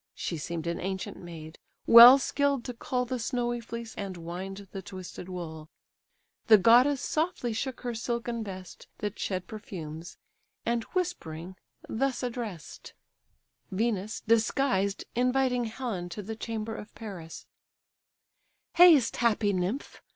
(She seem'd an ancient maid, well skill'd to cull The snowy fleece, and wind the twisted wool.) The goddess softly shook her silken vest, That shed perfumes, and whispering thus address'd: VENUS, DISGUISED, INVITING HELEN TO THE CHAMBER OF PARIS "Haste, happy nymph!